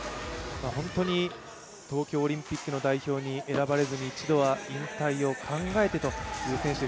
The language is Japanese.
東京オリンピックの代表に選ばれずに一度は引退を考えてという選手。